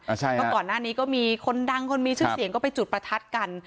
เพราะก่อนหน้านี้ก็มีคนดังคนมีชื่อเสียงก็ไปจุดประทัดกัน